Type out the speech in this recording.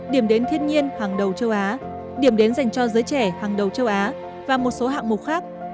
điểm đến thiên nhiên hàng đầu châu á điểm đến dành cho giới trẻ hàng đầu châu á và một số hạng mục khác